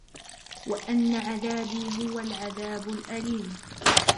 وَأَنَّ عَذَابِي هُوَ الْعَذَابُ الْأَلِيمُ